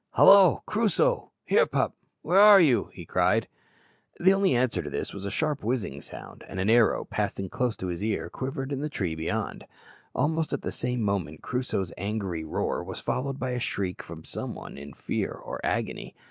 "Hallo, Crusoe! here, pup! where are you?" he cried. The only answer to this was a sharp whizzing sound, and an arrow, passing close to his ear, quivered in a tree beyond. Almost at the same moment Crusoe's angry roar was followed by a shriek from some one in fear or agony.